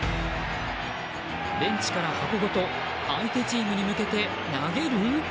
ベンチから箱ごと相手チームに向けて投げる。